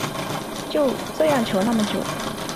这样求那么久